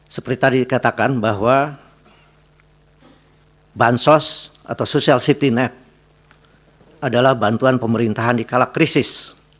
seperti tadi dikatakan bahwa bansos atau social safety net adalah bantuan pemerintahan di kala krisis